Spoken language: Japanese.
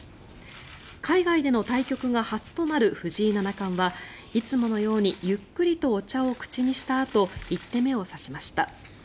海外での対局が初となる藤井七冠はいつものようにゆっくりとお茶を口にしたあと１手目を指しました。